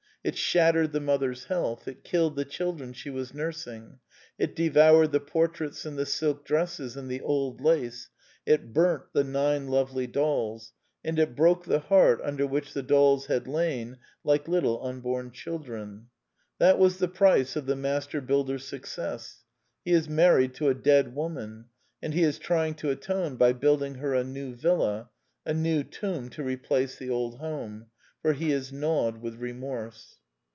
It shattered the mother's health; it killed the chil dren she was nursing; it devoured the portraits and the silk dresses and the old lace ; it burnt the nine lovely dolls; and it broke the heart under which the dolls had lain like little unborn chil dren. That was the price of the master builder's success. He is married to a dead woman; and he is trying to atone by building her a new villa : a new tomb to replace the old home; for he is gnawed with remorse.